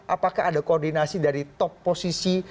apakah ada koordinasi dari top posisi